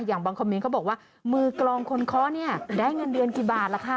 บางคอมเมนต์เขาบอกว่ามือกลองคนเคาะเนี่ยได้เงินเดือนกี่บาทล่ะคะ